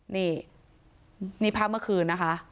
นี่นี่ภาพเมื่อคืนนะคะ